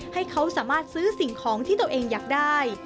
ให้เขาสามารถซื้อสิ่งของที่ตัวเองอยากได้